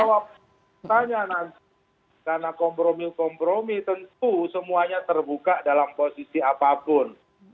saya tanya nanti karena kompromi kompromi tentu semuanya terbuka dalam posisi apapun